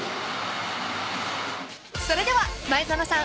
［それでは前園さん